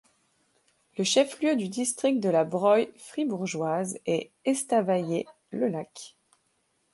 Le chef-lieu du district de la Broye fribourgeoise est Estavayer-le-Lac.